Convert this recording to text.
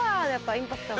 インパクトが。